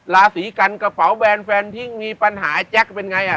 ราศีกันกระเป๋าแบรนด์แฟนทิ้งมีปัญหาไอแจ๊คเป็นไงอ่ะ